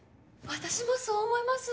私もそう思います！